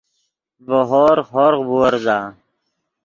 ڤے ہورغ، ہورغ بُورزا